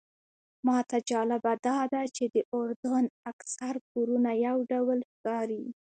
ماته جالبه داده چې د اردن اکثر کورونه یو ډول ښکاري.